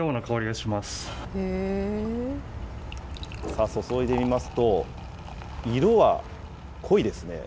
さあ、注いでみますと、色は濃いですね。